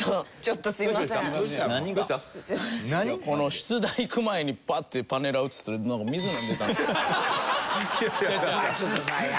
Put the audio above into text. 出題いく前にパッてパネラー映ったらなんか水飲んでたんです。